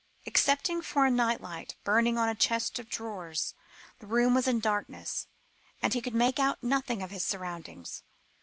Excepting for a night light burning on a chest of drawers, the room was in darkness, and he could make out nothing of his surroundings.